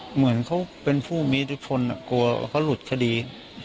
เหมือนเขาเป็นผู้มีทฤพนธ์อ่ะกลัวเขาหลุดคดี